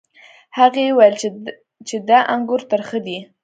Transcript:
هغې وویل چې دا انګور ترخه دي.